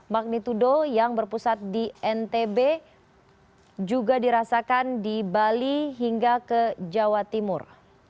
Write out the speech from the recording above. magnitudo yang berpusat di ntb juga dirasakan di bali hingga ke jawa timur